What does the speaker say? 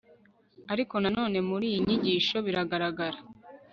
ariko na none muri iyi nyigisho biragaragara